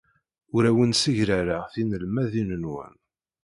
Ur awen-ssegrareɣ tinelmadin-nwen.